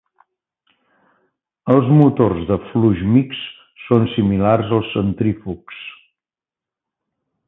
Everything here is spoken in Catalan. Els motors de flux mixt són similar als centrífugs.